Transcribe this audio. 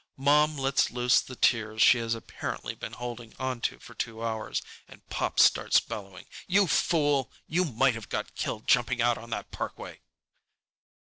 Mom lets loose the tears she has apparently been holding onto for two hours, and Pop starts bellowing: "You fool! You might have got killed jumping out on that parkway!"